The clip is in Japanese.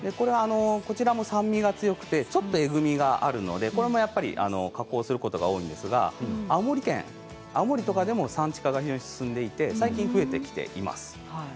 酸味が強くてちょっとえぐみがあるのでこれは、やっぱり加工することが多いんですが青森でも産地化が進んでいて最近、増えてきています。